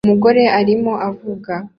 Umugore arimo avuga